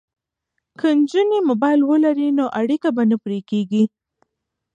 که نجونې موبایل ولري نو اړیکه به نه پرې کیږي.